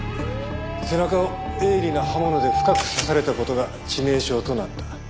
背中を鋭利な刃物で深く刺された事が致命傷となった。